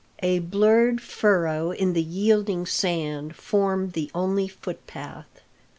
A blurred furrow in the yielding sand formed the only footpath.